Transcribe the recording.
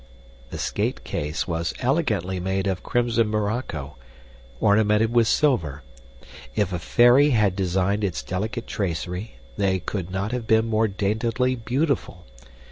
The skate case was elegantly made of crimson morocco, ornamented with silver. If a fairy had designed its delicate tracery, they could not have been more daintily beautiful.